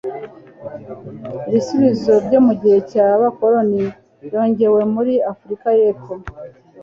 ibisubizo byo mu gihe cyabakoloni yongewe muri afurika yepfo